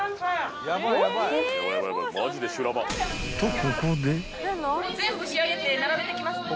［とここで］